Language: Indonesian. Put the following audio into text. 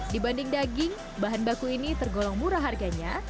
dibanding daging bahan baku ini tergolong murah harganya